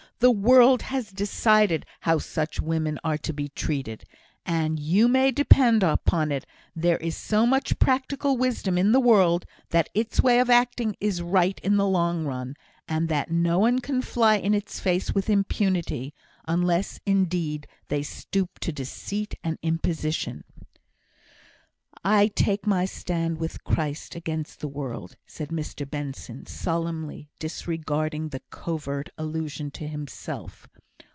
The world has decided how such women are to be treated; and, you may depend upon it, there is so much practical wisdom in the world that its way of acting is right in the long run, and that no one can fly in its face with impunity, unless, indeed, they stoop to deceit and imposition." "I take my stand with Christ against the world," said Mr Benson, solemnly, disregarding the covert allusion to himself.